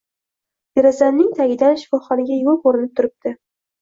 Derazamning tagidan shifoxonaga yo`l ko`rinib turibdi